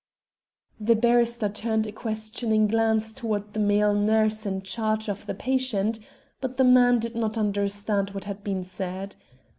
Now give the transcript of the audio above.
The barrister turned a questioning glance towards the male nurse in charge of the patient, but the man did not understand what had been said.